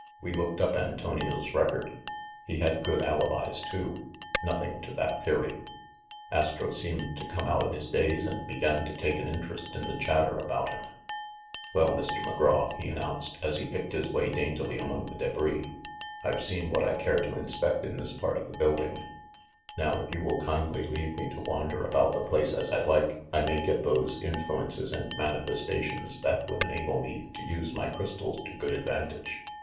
We looked up Antonio's record. He had good alibis, too. Nothing to that theory." Astro seemed to come out of his daze and began to take an interest in the chatter about him. "Well, Mr. McGraw," he announced, as he picked his way daintily among the debris, "I've seen what I care to inspect in this part of the building ; now, if you will kindly leave me to wander about the place as I like, I may get those influences and manifestations that will enable me to use my crystals to good advantage."